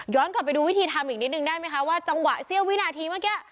กลับไปดูวิธีทำอีกนิดนึงได้ไหมคะว่าจังหวะเสี้ยววินาทีเมื่อกี้